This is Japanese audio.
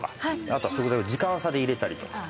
あとは食材を時間差で入れたりとか。